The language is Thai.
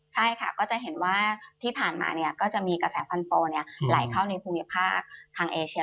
ใช่ค่ะก็จะเห็นว่าที่ผ่านมาก็จะมีกระแสฟันโปไหลเข้าในภูมิภาคทางเอเชีย